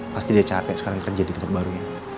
pasti dia capek sekarang kerja di tempat barunya